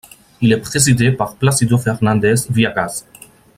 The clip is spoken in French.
Il est présidé par Plácido Fernández Viagas.